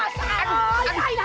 mas arlo aduh aduh